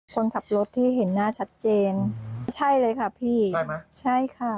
คนขับรถที่เห็นหน้าชัดเจนใช่เลยค่ะพี่ใช่ไหมใช่ค่ะ